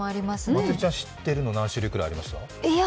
まつりちゃん、知ってるの何種類ぐらいありました？